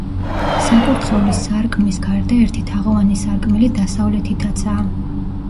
საკურთხევლის სარკმლის გარდა ერთი თაღოვანი სარკმელი დასავლეთითაცაა.